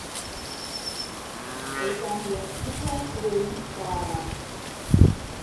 Roedd ganddi esgidiau gwyn glân.